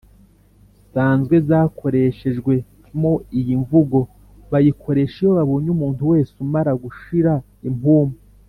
sanzwe zakoreshejwemoiyi mvugo bayikoresha iyo babonye umuntu wese umara gushira impumu